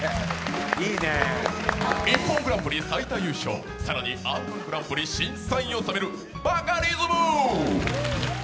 「ＩＰＰＯＮグランプリ」最多優勝、更に「Ｒ−１グランプリ」審査員も務めるバカリズム。